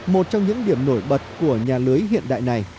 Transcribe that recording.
một trong những điểm nổi bật của nhà lưới hiện đại này